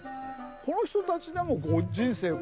この人たちでも人生５０年。